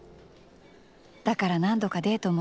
だから何度かデートも。